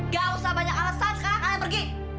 gak usah banyak alasan sekarang ayo pergi